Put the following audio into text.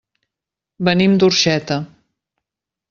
Venim d'Orxeta.